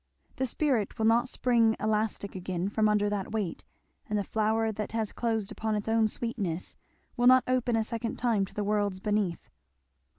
The spirit will not spring elastic again from under that weight; and the flower that has closed upon its own sweetness will not open a second time to the world's breath.